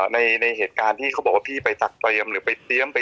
ในเศรษฐ์ไปจัดเตรียม